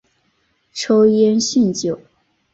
抽烟酗酒